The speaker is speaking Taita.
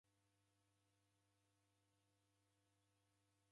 Kula mndu oko na kaung'a.